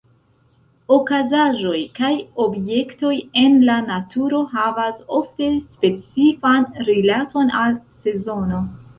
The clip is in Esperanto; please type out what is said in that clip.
Okazaĵoj kaj objektoj en la naturo havas ofte specifan rilaton al sezono.